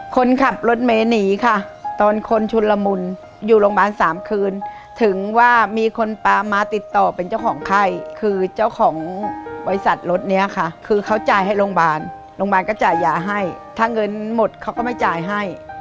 คนขับรถเมย์หนีค่ะตอนคนชุนละมุนอยู่โรงพยาบาลสามคืนถึงว่ามีคนปลามาติดต่อเป็นเจ้าของไข้คือเจ้าของบริษัทรถเนี้ยค่ะคือเขาจ่ายให้โรงพยาบาลโรงพยาบาลก็จ่ายยาให้ถ้าเงินหมดเขาก็ไม่จ่ายให้